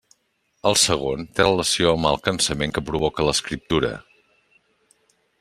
El segon, té relació amb el cansament que provoca l'escriptura.